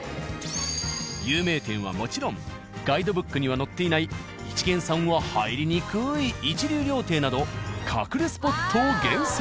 有名店はもちろんガイドブックには載っていない一見さんは入りにくい一流料亭など隠れスポットを厳選。